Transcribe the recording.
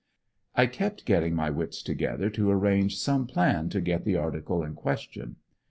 I kept getting my wits together to arrange some plan to get the article in question.